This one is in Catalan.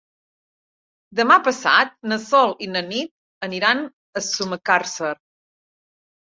Demà passat na Sol i na Nit aniran a Sumacàrcer.